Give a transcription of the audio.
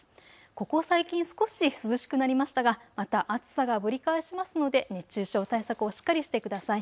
ここ最近、少し涼しくなりましたがまた暑さがぶり返しますので熱中症対策をしっかりしてください。